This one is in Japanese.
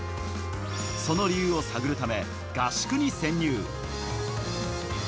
その理由を探るため、合宿に潜入。